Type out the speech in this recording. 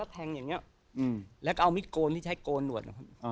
แล้วแทงอย่างนี้แล้วก็เอามิดโกนที่ใช้โกนหนวด